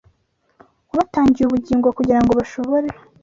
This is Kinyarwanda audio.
wabatangiye ubugingo kugira ngo bashobore